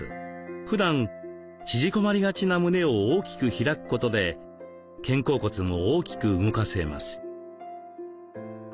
ふだん縮こまりがちな胸を大きく開くことで肩甲骨も大きく動かせます。